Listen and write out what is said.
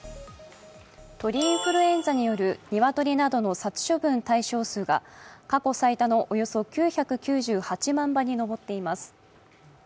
鳥インフルエンザによる鶏などの殺処分対象数が過去最多のおよそ９９８万羽に上っています。